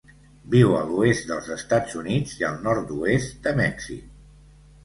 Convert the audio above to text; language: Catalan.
Viu a l'oest dels Estats Units i el nord-oest de Mèxic.